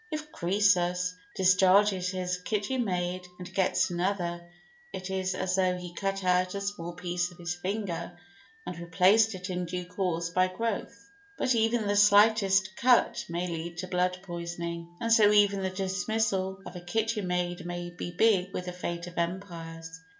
If Croesus discharges his kitchen maid and gets another, it is as though he cut out a small piece of his finger and replaced it in due course by growth. But even the slightest cut may lead to blood poisoning, and so even the dismissal of a kitchen maid may be big with the fate of empires.